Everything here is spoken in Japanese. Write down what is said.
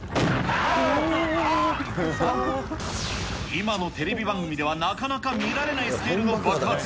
今のテレビ番組では、なかなか見られないスケールの爆発。